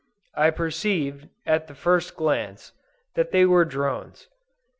I perceived, at the first glance, that they were drones.